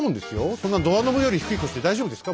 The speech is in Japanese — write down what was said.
そんなドアノブより低い腰で大丈夫ですか？